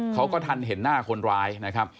เขาก็ทันเห็นหน้าคนร้ายนะครับ